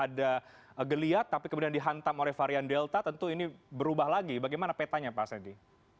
jadi ini sudah ada geliat tapi kemudian dihantam oleh varian delta tentu ini berubah lagi bagaimana petanya pak sandi